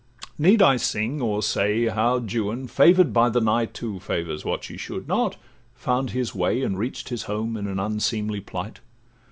—Need I sing, or say, How Juan naked, favour'd by the night, Who favours what she should not, found his way, And reach'd his home in an unseemly plight?